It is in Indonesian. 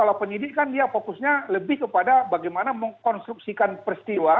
kalau penyidik kan fokusnya lebih kepada gimana mengkonstruksikan peristiwa